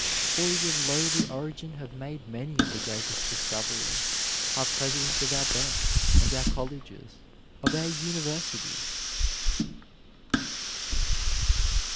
Boys of lowly origin have made many of the greatest discoveries, are presidents of our banks, of our colleges, of our universities.